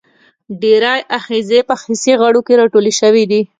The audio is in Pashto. ډیری آخذې په حسي غړو کې راټولې شوي دي.